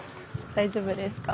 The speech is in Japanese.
大丈夫ですか？